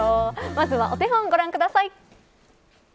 まずは、お手本ご覧ください。